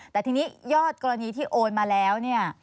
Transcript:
แต่ทีนี้ยอดกรณีที่โอนมาแล้วเนี่ย